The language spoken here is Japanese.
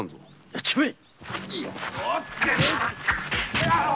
やっちまえ！